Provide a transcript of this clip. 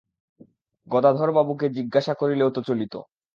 গদাধরবাবুকে জিজ্ঞাসা করিলেও তো চলিত।